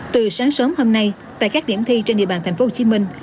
từ sáng sớm hôm nay tại các điểm thi trên địa bàn thành phố hồ chí minh